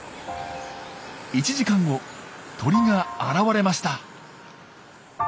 １時間後鳥が現れました。